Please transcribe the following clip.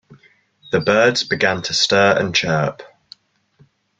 The birds began to stir and chirp.